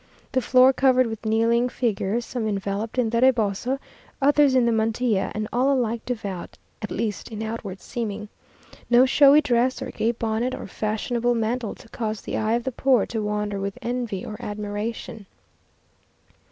The floor covered with kneeling figures some enveloped in the reboso, others in the mantilla, and all alike devout, at least in outward seeming. No showy dress, or gay bonnet, or fashionable mantle to cause the eye of the poor to wander with envy or admiration.